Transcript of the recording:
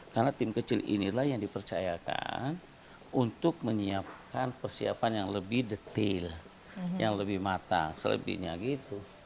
karena tim kecil inilah yang dipercayakan untuk menyiapkan persiapan yang lebih detail yang lebih matang selebihnya gitu